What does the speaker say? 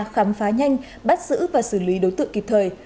khám phá nhanh bắt giữ và xử lý đối tượng kịp thời